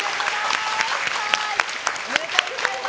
おめでとうございます。